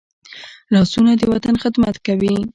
لاسونه د وطن خدمت کوي